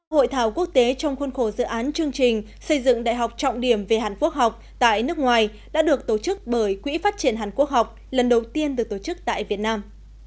hội thảo quốc tế trong khuôn khổ dự án chương trình xây dựng đại học trọng điểm về hàn quốc học tại nước ngoài đã được tổ chức bởi quỹ phát triển hàn quốc học lần đầu tiên được tổ chức tại việt nam